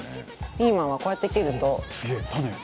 ピーマンはこうやって切ると。